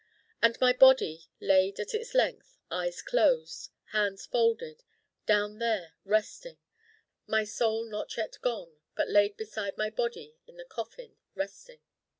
And my Body laid at its length, eyes closed, hands folded, down there Resting: my Soul not yet gone but laid beside my Body in the coffin Resting.